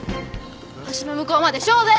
橋の向こうまで勝負！